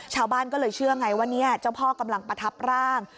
ชาวบ้านก็เลยเชื่อไงว่าเจ้าพ่อกำลังประทับร่าง